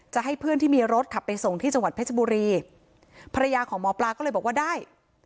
จะให้เพื่อนที่มีรถขับไปส่งที่จังหวัดเพชรบุรีภรรยาของหมอปลาก็เลยบอกว่าได้